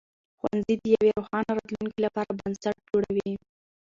ښوونځي د یوې روښانه راتلونکې لپاره بنسټ جوړوي.